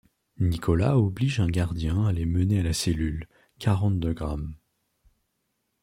Nicolas oblige un gardien à les mener à la cellule : quarante-deux grammes.